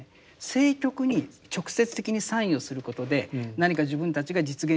政局に直接的に参与することで何か自分たちが実現